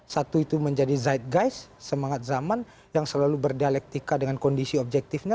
satu itu menjadi zed guys semangat zaman yang selalu berdialektika dengan kondisi objektifnya